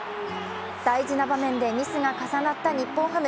大事な場面でミスが重なった日本ハム。